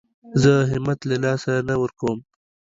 زه همت له لاسه نه ورکوم.